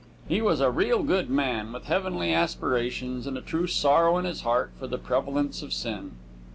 He was a real good man, with heavenly aspirations and a true sorrow in his heart for the prevalence of sin.